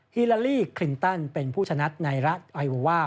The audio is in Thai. ฮิลาลีคลินตันเป็นผู้ชนะในรัฐไอโอว่า